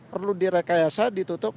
perlu direkayasa ditutup